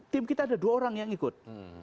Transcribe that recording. tim kita ada dua orang yang ikut